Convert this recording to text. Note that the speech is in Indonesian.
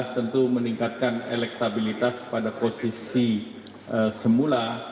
tentu meningkatkan elektabilitas pada posisi semula